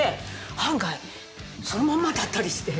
案外そのまんまだったりして。